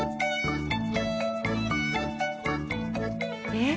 えっ？